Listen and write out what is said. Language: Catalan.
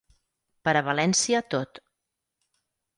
Per a València tot.